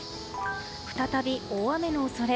再び大雨の恐れ。